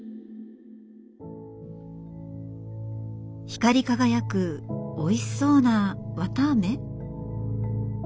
光り輝くおいしそうな綿あめ？